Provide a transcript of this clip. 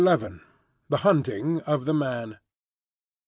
THE HUNTING OF THE MAN.